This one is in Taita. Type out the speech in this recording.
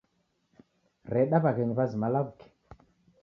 Reda w'aghenyi w'azima law'uke.